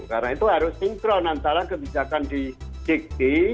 karena itu harus sinkron antara kebijakan di jgd